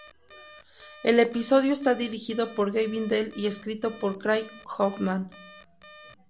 El episodio está dirigido por Gavin Dell y escrito por Craig Hoffman.